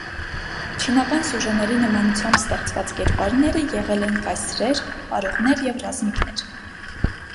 «Չինական սյուժեների» նմանությամբ ստեղծված կերպարները եղել են կայսրեր, պարողներ և ռազմիկներ։